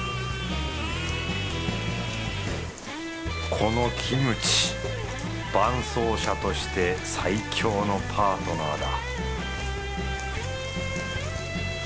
このキムチ伴走者として最強のパートナーだ